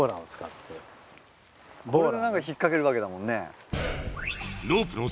それで何か引っ掛けるわけだもんね。